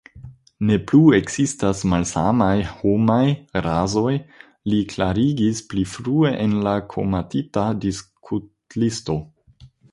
Ne plu ekzistas malsamaj homaj rasoj, li klarigis pli frue en la komitata diskutlisto.